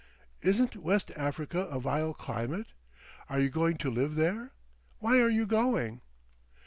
"Isn't West Africa a vile climate?" "Are you going to live there?" "Why are you going?"